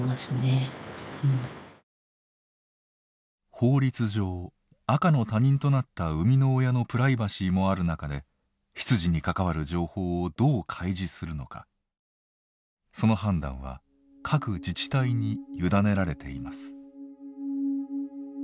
法律上赤の他人となった生みの親のプライバシーもある中で出自に関わる情報をどう開示するのかその判断は各自治体に委ねられています。